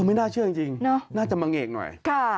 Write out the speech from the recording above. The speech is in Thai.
ไม่น่าเชื่อจริงน่าจะมาเงกหน่อย